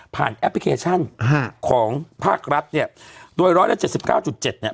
แอปพลิเคชันของภาครัฐเนี่ยโดยร้อยละเจ็ดสิบเก้าจุดเจ็ดเนี่ย